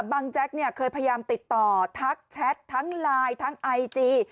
แจ๊กเนี่ยเคยพยายามติดต่อทักแชททั้งไลน์ทั้งไอจี